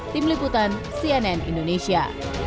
tim liputan cnn indonesia